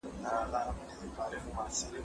قلمان د زده کوونکي له خوا پاکيږي